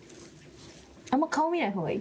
あんま顔見ないほうがいい？